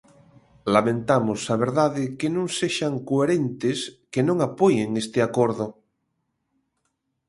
Lamentamos, a verdade, que non sexan coherentes, que non apoien este acordo.